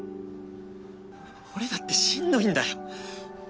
俺だってしんどいんだよ。